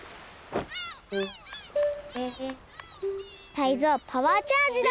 タイゾウパワーチャージだ！